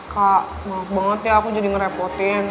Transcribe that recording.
kak maaf banget ya aku jadi ngerepotin